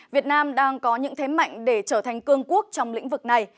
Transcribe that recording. việt nam đang có những thế mạnh để trở thành cương quốc trong lĩnh vực này